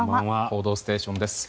「報道ステーション」です。